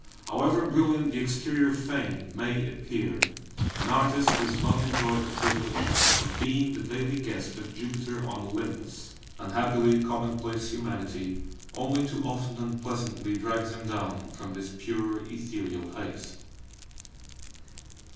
however brilliant the exterior of Fame may appear, an artist does not enjoy the privilege of being the daily guest of Jupiter on Olympus; unhappily commonplace humanity only too often unpleasantly drags him down from these pure ethereal heights.